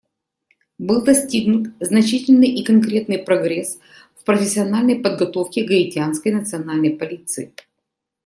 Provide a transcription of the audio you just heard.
Был достигнут значительный и конкретный прогресс в профессиональной подготовке Гаитянской национальной полиции.